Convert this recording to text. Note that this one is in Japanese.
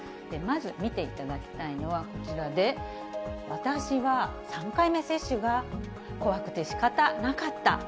まず見ていただきたいのはこちらで、私は３回目接種が怖くてしかたなかった。